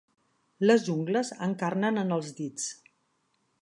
Les ungles encarnen en els dits.